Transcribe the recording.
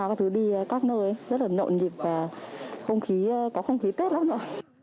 các thứ đi các nơi rất là nộn nhịp và không khí có không khí tết lắm rồi